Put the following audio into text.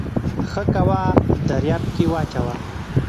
ښه کوه دریاب کې واچوه